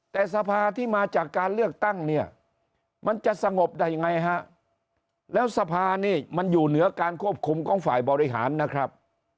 แต่สภาที่มาจากการเลือกตั้งเนี่ยมันจะสงบได้ยังไงฮะแล้วสภานี่มันอยู่เหนือการควบคุมของฝ่ายบริหารนะครับ